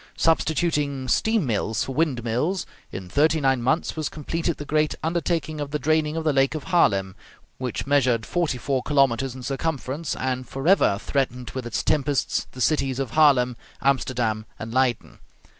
Substituting steam mills for windmills, in thirty nine months was completed the great undertaking of the draining of the lake of Haarlem, which measured forty four kilometres in circumference, and forever threatened with its tempests the cities of Haarlem, Amsterdam, and Leyden.